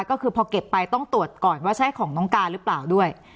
ก็คือพอเก็บไปต้องตรวจก่อนว่าใช่ของน้องการหรือเปล่าด้วย